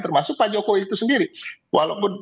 termasuk pak jokowi itu sendiri walaupun